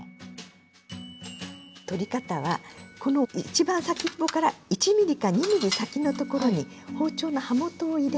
取り方はこの一番先っぽから１ミリか２ミリ先のところに包丁の刃元を入れます